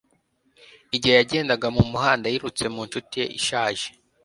Igihe yagendaga mu muhanda, yirutse mu nshuti ye ishaje.